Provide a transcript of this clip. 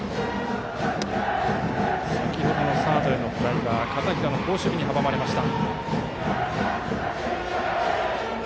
先程のサードへのフライは片平の好守備に阻まれました。